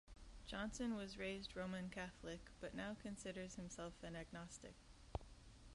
Johnson was raised Roman Catholic but now considers himself an agnostic.